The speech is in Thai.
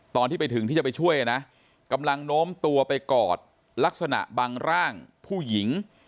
ตอนที่ไปถึงที่จะไปช่วยนะกำลังโน้มตัวไปกอดลักษณะบังร่างผู้หญิง